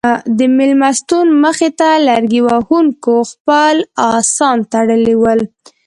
د مېلمستون مخې ته لرګي وهونکو خپل اسان تړلي ول.